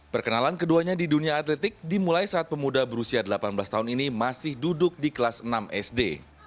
perkenalan keduanya di dunia atletik dimulai saat pemuda berusia delapan belas tahun ini masih duduk di kelas enam sd